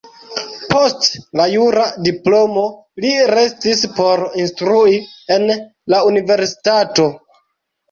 Post la jura diplomo li restis por instrui en la universitato.